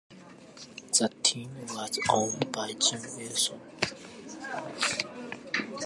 The team was owned by Jim Wilson.